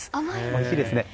おいしいですね。